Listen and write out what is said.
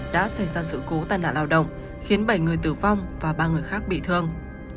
đã xảy ra sự cố tai nạn lao động khiến bảy người tử vong và ba người khác bị thương